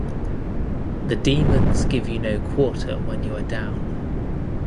The demons give you no quarter when you are down.